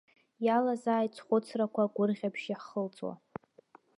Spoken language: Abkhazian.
Иалазааит схәыцрақәа агәырӷьабжь иаҳхылҵуа.